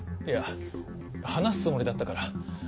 いや話すつもりだったから。